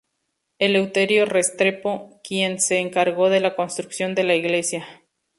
Eleuterio Restrepo, quien se encargó de la construcción de la iglesia.